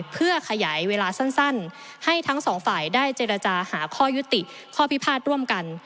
เพื่อขยายเวลาสั้นให้ทั้งสองฝ่ายได้เจรจาหาข้อยุติข้อพิพาทร่วมกัน